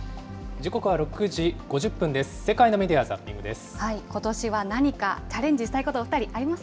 時刻は６時５０分です。